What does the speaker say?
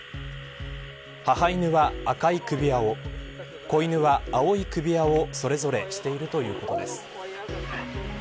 母犬は赤い首輪を子犬は青い首輪を、それぞれしているということです。